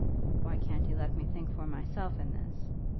"Why can't you let me think for myself in this?"